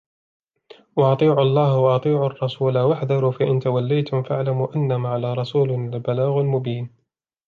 وَأَطِيعُوا اللَّهَ وَأَطِيعُوا الرَّسُولَ وَاحْذَرُوا فَإِنْ تَوَلَّيْتُمْ فَاعْلَمُوا أَنَّمَا عَلَى رَسُولِنَا الْبَلَاغُ الْمُبِينُ